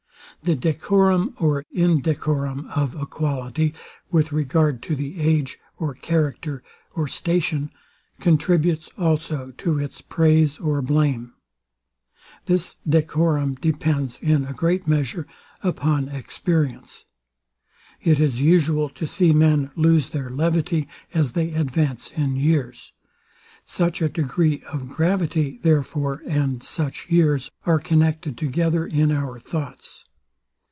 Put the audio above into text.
The decorum or indecorum of a quality, with regard to the age, or character, or station, contributes also to its praise or blame. This decorum depends, in a great measure, upon experience. It is usual to see men lose their levity, as they advance in years. Such a degree of gravity, therefore, and such years, are connected together in our thoughts.